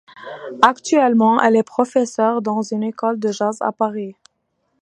Actuellement, elle est professeur dans une école de jazz à Paris.